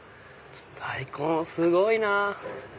大根すごいなぁ。